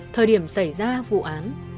thời điểm xảy ra vụ án